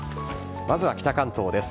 まずは北関東です。